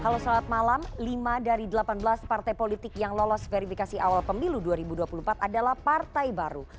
halo selamat malam lima dari delapan belas partai politik yang lolos verifikasi awal pemilu dua ribu dua puluh empat adalah partai baru